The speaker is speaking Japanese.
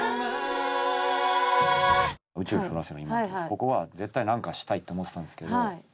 ここは絶対何かしたいって思ってたんですけど。